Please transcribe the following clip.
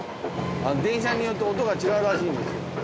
電車によって音が違うらしいんですよ。